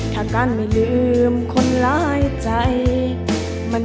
ถ้าการไม่ลืมไม่รู้ทำไม